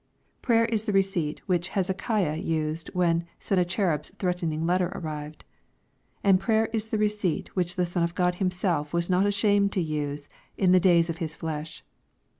Prayer is the receipt LUKE, CHAP. XXII. 421 which Hezekiah used when Sennacherib's tlireatening letter arrived. And prayer is the receipt which the Son of God Himself was not ashamed to use in the days of His flesh.